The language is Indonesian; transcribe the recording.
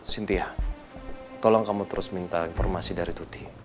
cynthia tolong kamu terus minta informasi dari tuti